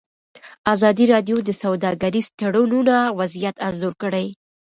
ازادي راډیو د سوداګریز تړونونه وضعیت انځور کړی.